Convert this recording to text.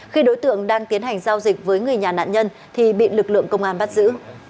khi đối tượng đang tiến hành giao dịch với người nhà nạn nhân thì bị lực lượng công an bắt giữ